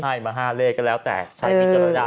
ให้มาหาเลกกันแล้วแต่ใช้นี้ก็ไม่ได้